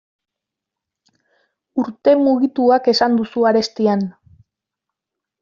Urte mugituak esan duzu arestian.